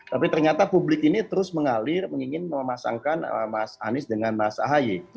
tapi ternyata publik ini terus mengalir mengingin memasangkan mas anies dengan mas ahaye